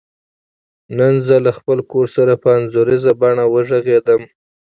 نن زه له خپل کور سره په انځوریزه بڼه وغږیدم.